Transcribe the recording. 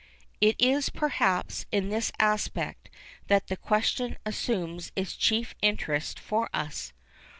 It is, perhaps, in this aspect, that the question assumes its chief interest for us.